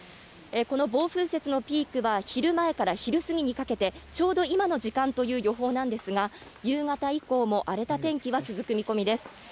この暴風雪のピークは、昼前から昼過ぎにかけて、ちょうど今の時間という予報なんですが、夕方以降も荒れた天気は続く見込みです。